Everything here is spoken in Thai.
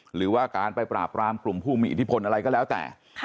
หรือว่าการไปปราบรามกลุ่มผู้มีอิทธิพลอะไรก็แล้วแต่